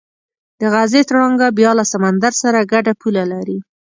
د غزې تړانګه بیا له سمندر سره ګډه پوله لري.